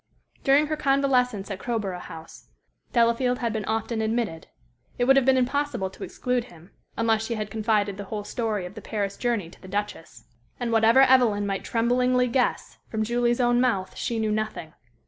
During her convalescence at Crowborough House, Delafield had been often admitted. It would have been impossible to exclude him, unless she had confided the whole story of the Paris journey to the Duchess. And whatever Evelyn might tremblingly guess, from Julie's own mouth she knew nothing.